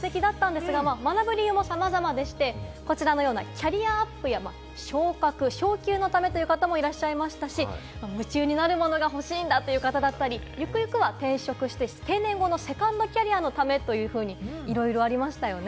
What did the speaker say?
学ぶ理由も様々でして、こちらのようなキャリアアップや昇格・昇給のためという方もいらっしゃいましたし、夢中になるものがほしいんだという方だったり、ゆくゆくは転職して定年後のセカンドキャリアのためというふうに、いろいろありましたよね。